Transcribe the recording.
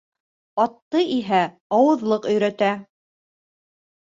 Атты иһә ауыҙлыҡ өйрәтә.